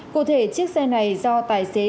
cụ thể chiếc xe này do tài xế